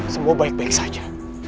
semua baik baik saja